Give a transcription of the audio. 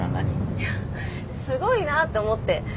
いやすごいなと思って。